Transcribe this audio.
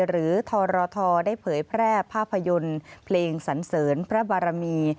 ทรทได้เผยแพร่ภาพยนตร์เพลงสันเสริญพระบารมี